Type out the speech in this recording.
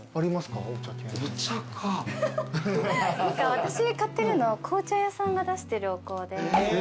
私買ってるの紅茶屋さんが出してるお香で。